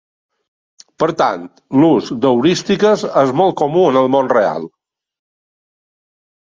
Per tant, l'ús d'heurístiques és molt comú en el món real.